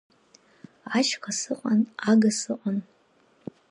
Ашьха сыҟан, Ага сыҟан.